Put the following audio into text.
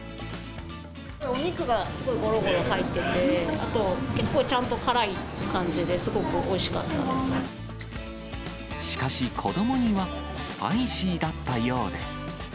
お肉がすごいごろごろ入っていて、あと結構ちゃんと辛いっていう感じで、すごくおいしかったしかし、子どもにはスパイシーだったようで。